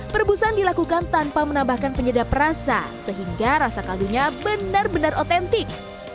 perebusan dilakukan tanpa menambahkan penyedap rasa sehingga rasa kaldunya benar benar otentik